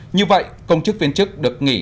như vậy công chức viên chức được nghỉ